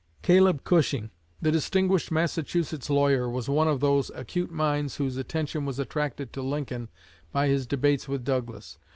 Caleb Cushing, the distinguished Massachusetts lawyer, was one of those acute minds whose attention was attracted to Lincoln by his debates with Douglas.